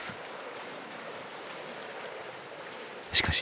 しかし。